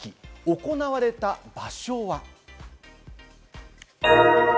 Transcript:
行われた場所は。